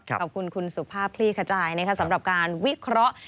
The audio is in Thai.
ขอบคุณคุณสุภาพคลี่ขจายสำหรับการวิเคราะห์